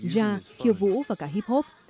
jazz khiêu vũ và cả hip hop